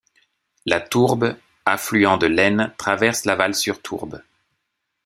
La Tourbe, affluent de l'Aisne traverse Laval-sur-Tourbe.